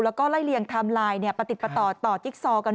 แล้วก็ไล่เลี่ยงไทม์ไลน์ประติดประต่อต่อจิ๊กซอกัน